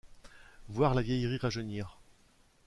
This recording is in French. Voir la vieillerie rajeunir !